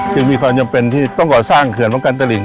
จึงมีความจำเป็นที่ต้องก่อสร้างเขื่อนป้องกันตลิง